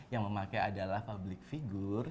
yang memakai adalah public figure